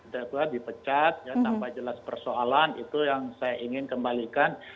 setelah dipecat tanpa jelas persoalan itu yang saya ingin kembalikan